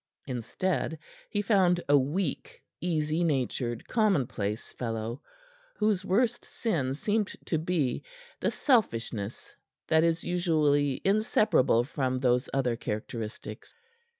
Instead, he found a weak, easy natured, commonplace fellow, whose worst sin seemed to be the selfishness that is usually inseparable from those other characteristics.